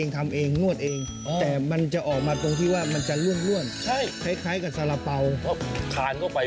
แล้วยิ่งหอมไปกว่านั้นเลือกคุณทานมันโถเข้าไป